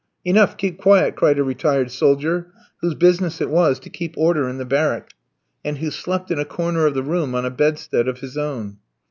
"Enough, keep quiet," cried a retired soldier, whose business it was to keep order in the barrack, and who slept in a corner of the room on a bedstead of his own.